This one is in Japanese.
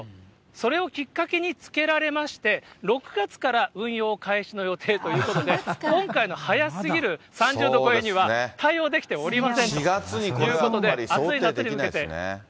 それをきっかけにつけられまして、６月から運用開始の予定ということで、今回の早すぎる３０度超えには、対応できておりませんということで、暑い夏に向けて。